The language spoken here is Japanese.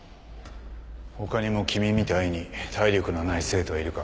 他にも君みたいに体力のない生徒はいるか？